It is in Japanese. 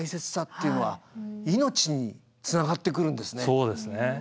そうですね。